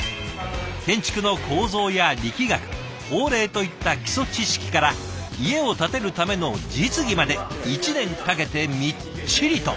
建築の構造や力学法令といった基礎知識から家を建てるための実技まで１年かけてみっちりと。